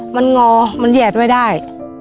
มันงอมันแหยดไม่ได้